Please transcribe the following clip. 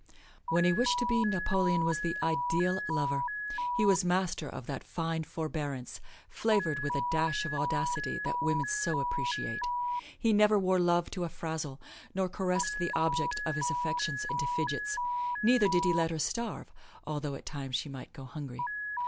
When he wished to be, Napoleon was the ideal lover; he was master of that fine forbearance, flavored with a dash of audacity, that women so appreciate. He never wore love to a frazzle, nor caressed the object of his affections into fidgets; neither did he let her starve, although at times she might go hungry.